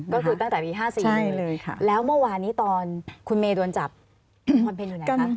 ก็คือตั้งแต่ปี๕๔นึงเลยค่ะแล้วเมื่อวานี้ตอนคุณเมย์โดนจับพลเพ็ญอยู่ไหนคะ